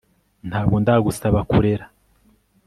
Ntabwo ndagusaba kurera